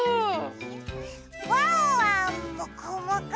ワンワンもこもこ！